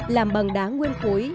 làm bằng đá nguyên khối